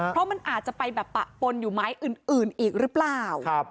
เพราะมันอาจจะไปแบบปะปนอยู่ไม้อื่นอีกหรือเปล่า